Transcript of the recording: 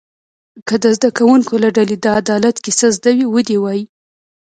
که د زده کوونکو له ډلې د عدالت کیسه زده وي و دې وایي.